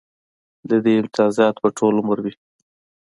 د دې امتیازات به ټول عمر وي